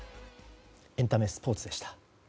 エンタメとスポーツでした。